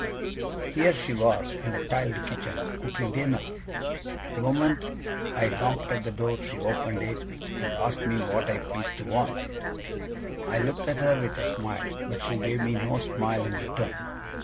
Here she was, in the tiled kitchen, cooking dinner! The moment I knocked at the door she opened it, and asked me what I pleased to want. I looked at her with a smile, but she gave me no smile in return.